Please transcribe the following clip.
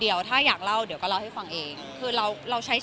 ยังยังคือดีใจกับเขานะ